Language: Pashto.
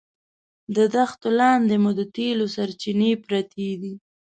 د دښتو لاندې مو د تېلو سرچینې پرتې دي.